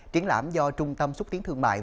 triển lãm do trung tâm xuất tiến thương mại